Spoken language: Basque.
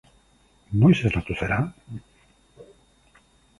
Noiz esnatu zara?